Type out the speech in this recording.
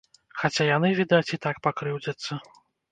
Хаця яны, відаць, і так пакрыўдзяцца.